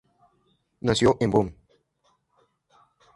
Nació en Bonn.